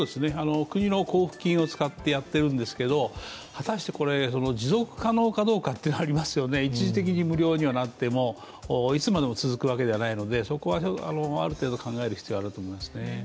国の交付金を使ってやっているんですけど、果たして持続可能かどうかってありますよね、一時的に無料になってもいつまでも続くわけではないのでそこはある程度考える必要があると思いますね。